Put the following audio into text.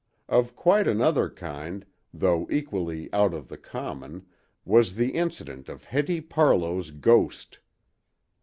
Of quite another kind, though equally "out of the common," was the incident of Hetty Parlow's ghost.